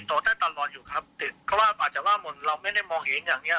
ติดต่อได้ตลอดอยู่ครับเขาว่าอาจจะว่ามนตร์เราไม่ได้มองเห็นอย่างเนี้ย